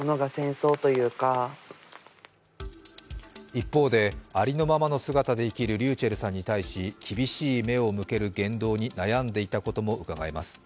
一方で、ありのままの姿で生きるｒｙｕｃｈｅｌｌさんに対し厳しい目を向ける言動に悩んでいたこともうかがえます。